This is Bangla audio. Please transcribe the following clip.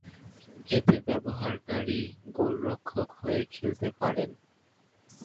এতে ব্যবহারকারী গোলরক্ষক হয়ে খেলতে পারেন।